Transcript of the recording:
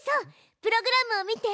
プログラムを見て！